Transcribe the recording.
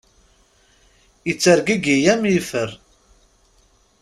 Ittergigi am yifer.